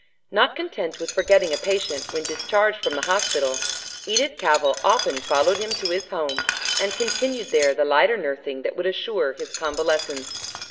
Not content with forgetting a patient when discharged from the hospital, Edith Cavell often followed him to his home and continued there the lighter nursing that would assure his convalescence.